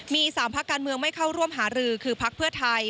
มี๓พักการเมืองไม่เข้าร่วมหารือคือพักเพื่อไทย